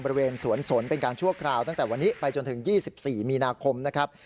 บริเวณสวนสนเป็นการชั่วคราวตั้งแต่วันนี้ไปจนถึง๒๔มีนาคมนะครับ